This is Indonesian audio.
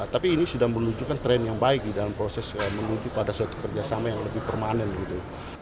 tapi ini sudah menunjukkan tren yang baik di dalam proses menuju pada suatu kerjasama yang lebih permanen gitu